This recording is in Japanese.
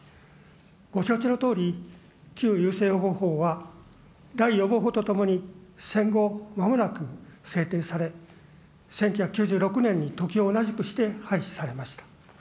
ご承知のとおり、旧優生保護法はらい予防法とともに戦後まもなく制定され、１９９６年に時を同じくして廃止されました。